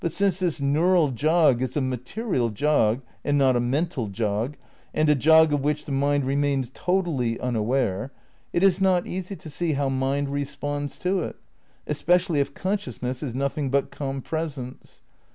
V THE CRITICAL PREPARATIONS 203 this neural jog is a material jog and not a mental jog, and a jog of which the mind remains totally unaware, it is not easy to see how mind responds to it, especially if consciousness is nothing but compresenee.